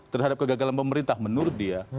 terhadap kegagalan pemerintah menurut dia